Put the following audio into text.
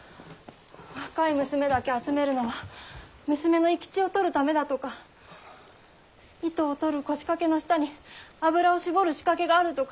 若い娘だけ集めるのは娘の生き血を取るためだとか糸を取る腰掛けの下に油を搾る仕掛けがあるとか。